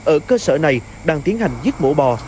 ở cơ sở này đang tiến hành giết mổ bò